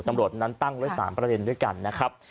ตำรวจนั้นตั้งไว้๓ประเด็นด้วยกันนะครับ